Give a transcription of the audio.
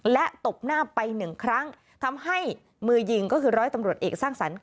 และตบหน้าไปหนึ่งครั้งทำให้มือยิงก็คือร้อยตำรวจเอกสร้างสรรค์